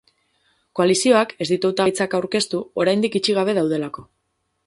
Koalizioak ez ditu hautagaitzak aurkeztu, oraindik itxi gabe daudelako.